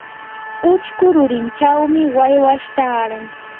uchku rurinchawmi waywash taaran.